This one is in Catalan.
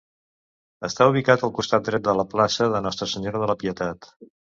Està ubicat al costat dret de la plaça de Nostra Senyora de la Pietat.